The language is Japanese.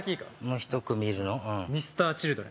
もう一組いるの？